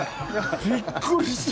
びっくりした！